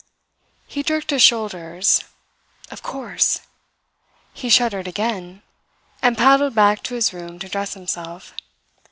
He jerked his shoulders. Of course! He shuddered again, and paddled back to his room to dress himself.